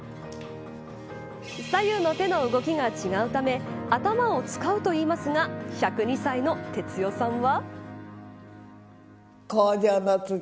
左右の手の動きが違うため頭を使うといいますが１０２歳の哲代さんは。